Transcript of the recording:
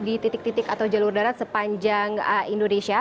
di titik titik atau jalur darat sepanjang indonesia